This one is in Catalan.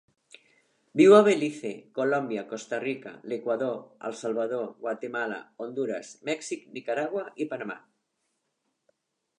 Viu a Belize, Colòmbia, Costa Rica, l'Equador, El Salvador, Guatemala, Hondures, Mèxic, Nicaragua i Panamà.